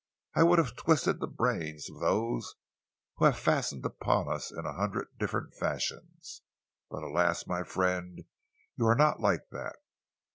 I would have twisted the brains of those who have fastened upon us in a hundred different fashions. But alas, my friend, you are not like that!"